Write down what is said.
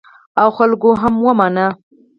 او خلکو هم ومانه.